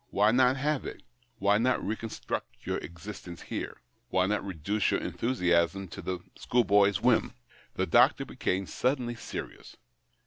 " Why not have it ? Why not reconstruct your existence here ? Why not reduce your enthusiasm to the school boy's whim ?" The doctor became suddenly serious.